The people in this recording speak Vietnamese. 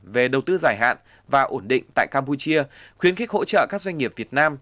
về đầu tư dài hạn và ổn định tại campuchia khuyến khích hỗ trợ các doanh nghiệp việt nam